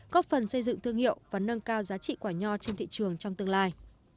góp phần xây dựng thương hiệu và nâng cao giá trị quả nho trên thị trường trong tương lai